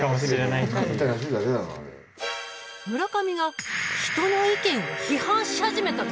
村上が人の意見を批判し始めたぞ。